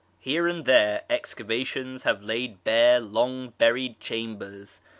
Here and there excavations have laid bare loner buried chambers.